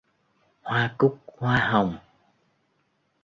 Hoa cúc hoa hồng